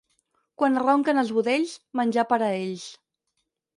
Quan ronquen els budells, menjar per a ells.